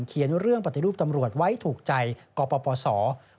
เขียนว่าเรื่องปฏิรูปตำรวจไว้ถูกใจก็ประสอบ